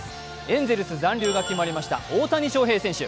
エンゼルス残留が決まりました大谷翔平選手。